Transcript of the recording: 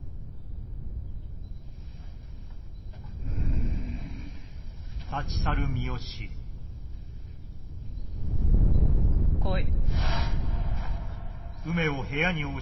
うん。来い。